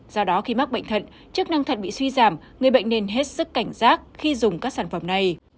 do đó khi mắc bệnh thận chức năng thận bị suy giảm người bệnh nên hết sức cảnh giác khi dùng các sản phẩm này